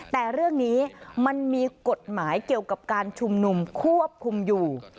แต่เรื่องนี้มันมีกฎหมายเกี่ยวกับการชุมนุมควบคุมอยู่